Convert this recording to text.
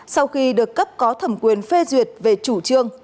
sau khi được cấp có thẩm quyền phê duyệt về chủ trương